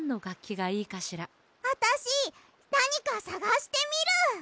あたしなにかさがしてみる！